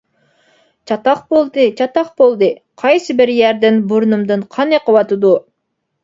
-چاتاق بولدى! چاتاق بولدى! قايسى بىر يەردىن بۇرنۇمدىن قان ئېقىۋاتىدۇ.